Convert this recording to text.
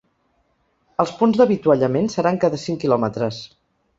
Els punts d’avituallament seran cada cinc quilòmetres.